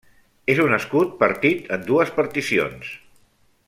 És un escut partit en dues particions.